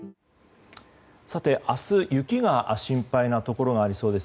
明日、雪が心配なところがあるそうです。